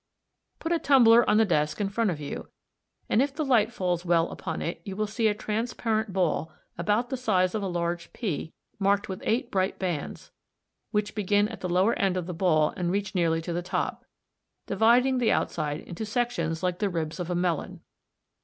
Put a tumbler on the desk in front of you, and if the light falls well upon it you will see a transparent ball about the size of a large pea marked with eight bright bands, which begin at the lower end of the ball and reach nearly to the top, dividing the outside into sections like the ribs of a melon.